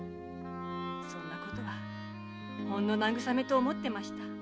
そんなことはほんの慰めと思ってました。